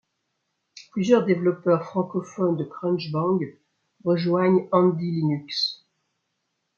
Plusieurs développeurs francophones de CrunchBang rejoignent HandyLinux.